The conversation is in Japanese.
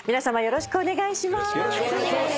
よろしくお願いします。